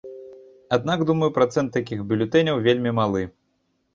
Аднак, думаю, працэнт такіх бюлетэняў вельмі малы.